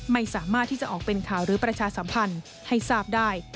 ไม่สามารถที่จะออกเป็นข่าวหรือประชาสัมพันธ์ให้ทราบได้